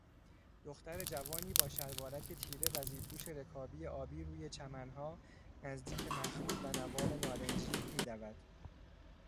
دختر جوانی با شلوارک تیره و زیرپوش رکابی آبی روی چمنها، نزدیک مخروط و نوار نارنجی، میدود.